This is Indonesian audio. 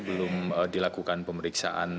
belum dilakukan pemeriksaan